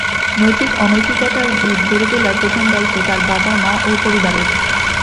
নৈতিক অনৈতিকতার ভিত গড়ে তোলার প্রধান দায়িত্ব তার বাবা মা ও পরিবারের।